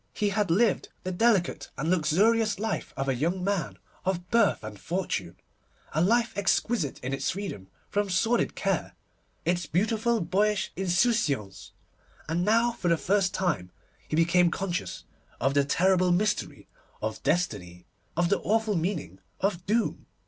He had lived the delicate and luxurious life of a young man of birth and fortune, a life exquisite in its freedom from sordid care, its beautiful boyish insouciance; and now for the first time he became conscious of the terrible mystery of Destiny, of the awful meaning of Doom.